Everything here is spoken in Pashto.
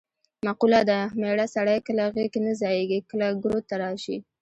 مقوله ده: مېړه سړی کله غېږ کې نه ځایېږې کله ګروت ته راشي.